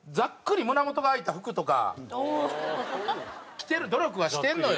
着てる努力はしてるのよ。